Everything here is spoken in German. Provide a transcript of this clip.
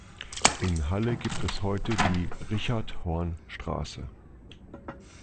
In Halle gibt es heute die "Richard-Horn-Straße".